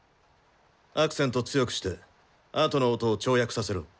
アクセント強くしてあとの音を跳躍させろ。